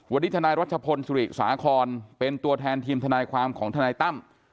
วันนี้ทนายรัชพลสุริสาครเป็นตัวแทนทีมทนายความของทนายตั้ม